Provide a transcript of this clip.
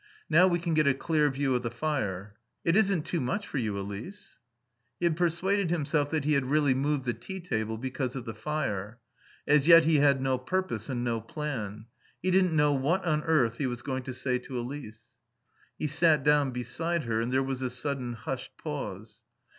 "Now we can get a clear view of the fire. It isn't too much for you, Elise?" He had persuaded himself that he had really moved the tea table because of the fire. As yet he had no purpose and no plan. He didn't know what on earth he was going to say to Elise. He sat down beside her and there was a sudden hushed pause.